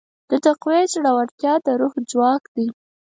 د تقوی زړورتیا د روح ځواک دی.